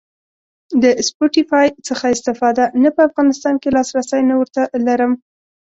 د سپوټیفای څخه استفاده؟ نه په افغانستان کی لاسرسی نه ور ته لرم